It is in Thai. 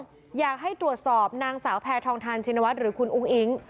อยากให้ตรวจสอบนางสาวแพทองทานชินวัฒน์หรือคุณอุ้งอิ๊ง